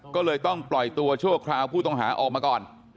ก็เลยต้องปล่อยตัวชั่วคราวผู้ต้องหาออกมาก่อน